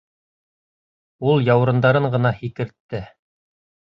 Ул яурындарын ғына һикертте.